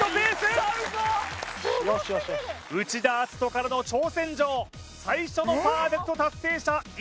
よしよしよし内田篤人からの挑戦状最初のパーフェクト達成者乾